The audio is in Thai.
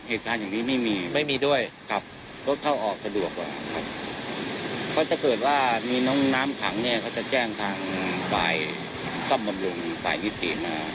เอ็สก่อนวันนี้มีเคยมีเหตุการณ์แบบนี้ไหมพี่